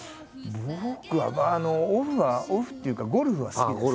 僕はオフはオフっていうかゴルフは好きですね。